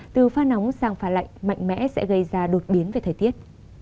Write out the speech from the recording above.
từ pha nóng sang pha lạnh mạnh mẽ sẽ gây ra đột biến về thời tiết